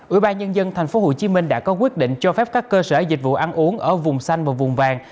ủy ban nhân dân tp hcm đã có quyết định cho phép các cơ sở dịch vụ ăn uống ở vùng xanh và vùng vàng